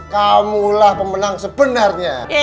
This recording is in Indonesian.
kamulah pemenang sebenarnya